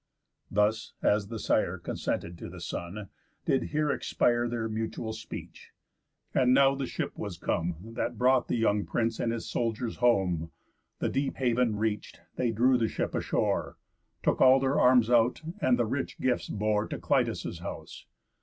Thus, as the sire Consented to the son, did here expire Their mutual speech. And now the ship was come, That brought the young prince and his soldiers home, The deep haven reach'd, they drew the ship ashore, Took all their arms out, and the rich gifts bore To Clitius' house.